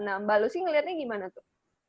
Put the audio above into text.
nah mbak lu sih ngelihatnya gimana tuh